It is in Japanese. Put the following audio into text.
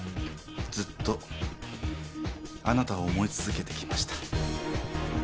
ずっとあなたを思い続けてきました。